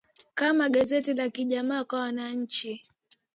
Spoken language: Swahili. kama Gazeti la Kijamaa kwa Wananchi